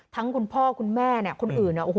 ทั้งคุณพ่อคุณแม่คนอื่น